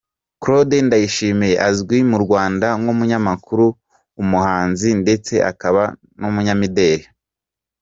Claude Ndayishimiye azwi mu Rwanda nk'umunyamakuru, umuhanzi ndetse akaba n'umunyamideri.